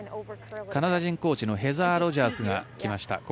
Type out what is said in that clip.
カナダ人コーチのヘザー・ロジャースが来ました。